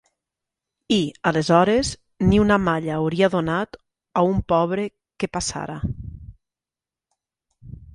I, aleshores, ni una malla hauria donat a un pobre que passara.